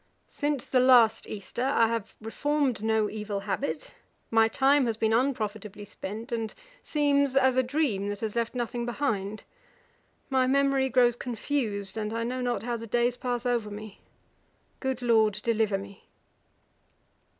'Since the last Easter I have reformed no evil habit, my time has been unprofitably spent, and seems as a dream that has left nothing behind. My memory grows confused, and I know not how the days pass over me. Good Lord deliver me!' [Page 488: Trinity College, Dublin. A.D. 1765.